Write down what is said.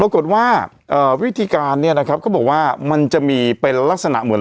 เอ่อวิธีการเนี่ยนะครับก็บอกว่ามันจะมีเป็นลักษณะเหมือน